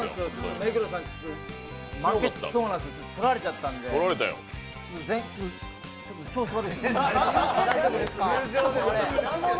目黒さんに取られちゃったんで今日調子悪い。